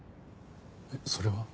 えっそれは。